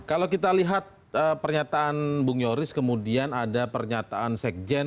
kalau kita lihat pernyataan bung yoris kemudian ada pernyataan sekjen